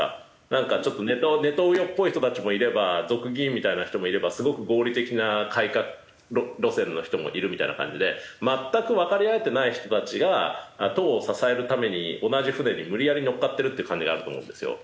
なんかちょっとネトウヨっぽい人たちもいれば族議員みたいな人もいればすごく合理的な改革路線の人もいるみたいな感じで全くわかり合えてない人たちが党を支えるために同じ船に無理やり乗っかってるっていう感じがあると思うんですよ。